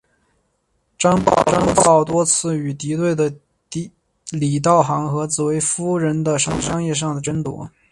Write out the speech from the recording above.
张保皋多次与敌对的李道行和紫薇夫人的商团进行商业上的争夺。